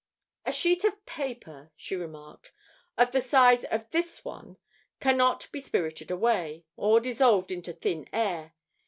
"A sheet of paper," she remarked, "of the size of this one cannot be spirited away, or dissolved into thin air.